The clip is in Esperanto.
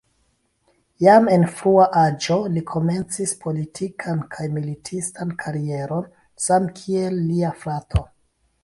Jam en frua aĝo li komencis politikan kaj militistan karieron samkiel lia frato.